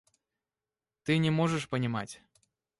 Ты не можешь понимать.